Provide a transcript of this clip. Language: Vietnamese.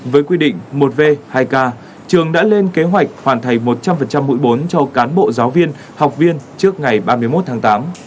với quy định một v hai k trường đã lên kế hoạch hoàn thành một trăm linh mũi bốn cho cán bộ giáo viên học viên trước ngày ba mươi một tháng tám